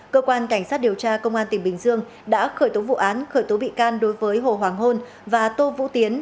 cơ quan cảnh sát điều tra công an tỉnh bình dương đã khởi tố vụ án khởi tố bị can đối với hồ hoàng hôn và tô vũ tiến